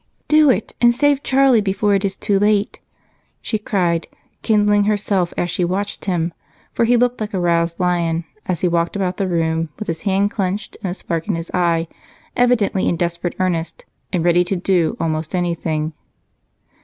"Do it, and save Charlie before it is too late!" she cried, kindling herself as she watched him, for he looked like a roused lion as he walked about the room with his hand clenched and a spark in his eye, evidently in desperate earnest and ready to do almost anything.